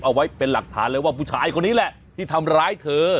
เอาไว้เป็นหลักฐานเลยว่าผู้ชายคนนี้แหละที่ทำร้ายเธอ